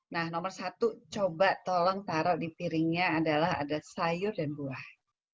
nah nomor satu coba tolong taruh di piringnya adalah ada sayur dan buah